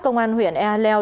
công an huyện e hà leo